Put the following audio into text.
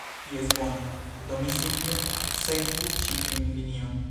Jes, bone. Do mi simple sekvu ĉi tiun linion